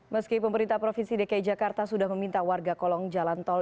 meski pemerintah provinsi dki jakarta sudah meminta warga kolong jalan tol